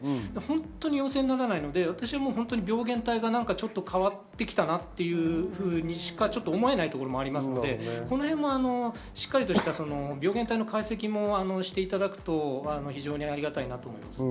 私は本当に病原体がちょっと変わってきたなとしか思えないところもありますので、このへんもしっかり病原体の解析もしていただくと非常にありがたいなと思います。